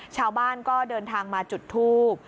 ชาวบ้านก็เดินทางมาจุดทูบ